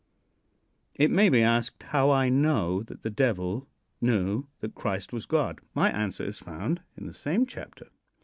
It may be asked how I know that the Devil knew that Christ was God. My answer is found in the same chapter.